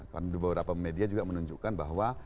karena beberapa media juga menunjukkan bahwa